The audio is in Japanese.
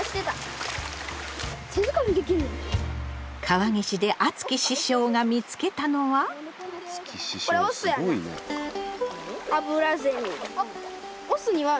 川岸であつき師匠が見つけたのは。